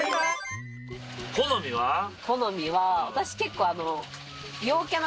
好みは私結構。